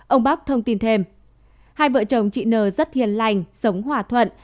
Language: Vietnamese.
ông bắc thông tin thêm hai vợ chồng chị nờ rất hiền lành sống hòa thuận